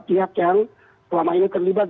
pihak yang selama ini terlibat